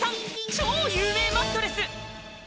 超有名マットレス